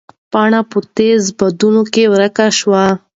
پاڼه په تېزو بادونو کې ورکه نه شوه.